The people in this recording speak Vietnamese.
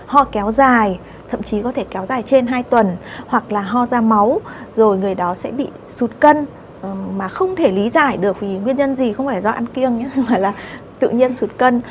ho kéo dài thậm chí có thể kéo dài trên hai tuần hoặc là ho ra máu rồi người đó sẽ bị sụt cân mà không thể lý giải được vì nguyên nhân gì không phải do ăn kiêng chứ không phải là tự nhiên sụt cân